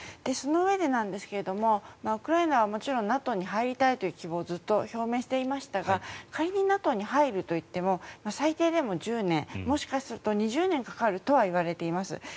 そのうえでウクライナはもちろんＮＡＴＯに入りたいという希望をずっと表明していましたが仮にＮＡＴＯに入るといっても最低でも１０年もしかすると２０年かかると言われています。